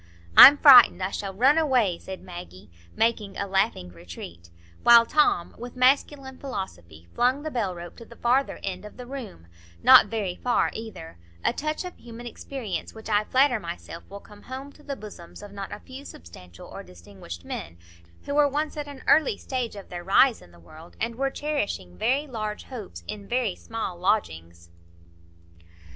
"I'm frightened; I shall run away," said Maggie, making a laughing retreat; while Tom, with masculine philosophy, flung the bell rope to the farther end of the room; not very far either,—a touch of human experience which I flatter myself will come home to the bosoms of not a few substantial or distinguished men who were once at an early stage of their rise in the world, and were cherishing very large hopes in very small lodgings.